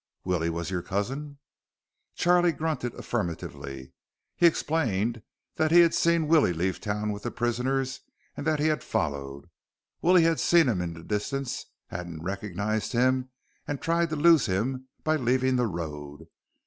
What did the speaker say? "Willie was your cousin?" Charlie grunted affirmatively. He explained that he had seen Willie leave town with the prisoners and that he had followed. Willie had seen him in the distance, hadn't recognized him, and had tried to lose him by leaving the road.